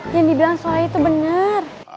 yang dibilang soal itu benar